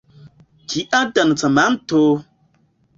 Kia dancamanto!